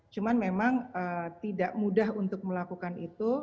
cuma memang tidak mudah untuk melakukan itu